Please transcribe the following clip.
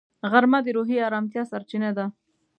غرمه د روحي ارامتیا سرچینه ده